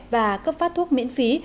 và cấp phát thuốc miễn phí